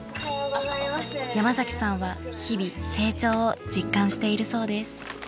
山崎さんは日々成長を実感しているそうです。